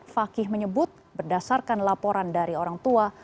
fakih menyebut berdasarkan laporan dari orang tua